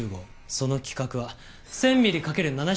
その規格は１０００ミリ×７２７ミリ。